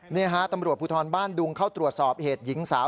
นี่ฮะตำรวจภูทรบ้านดุงเข้าตรวจสอบเหตุหญิงสาว